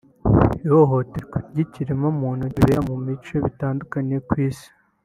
ihohoterwa ry’ikiremwamuntu bibere mu bice bitandukanye ku Isi